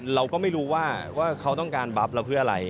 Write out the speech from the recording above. เราก็ไม่รู้ว่าเขาต้องการบับเราเพื่ออะไร